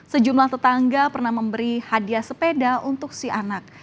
sejumlah tetangga pernah memberi hadiah sepeda untuk si anak